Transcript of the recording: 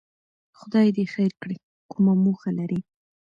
خدای دې خیر کړي، کومه موخه لري؟